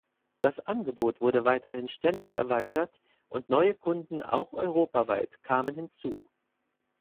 Das Angebot wurde weiterhin ständig erweitert und neue Kunden auch europaweit kamen hinzu.